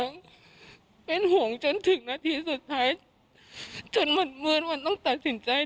คนชมสุดท้ายจนเหมือนมันต้องตัดสินใจ